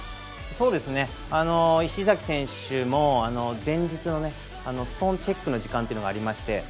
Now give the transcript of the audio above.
石崎選手も前日のストーンチェックの時間というのがありまして